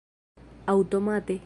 aŭtomate